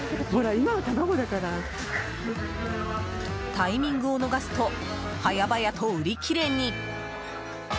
タイミングを逃すと早々と売り切れに。